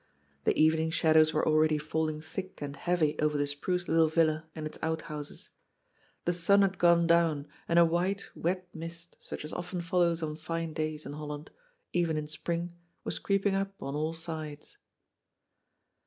The evening shadows were already falling thick and heavy over the spruce little villa and its outhouses. The sun had gone down, and a white, wet mist, such as often follows on fine days in Holland, even in spring, was creeping up on all sides.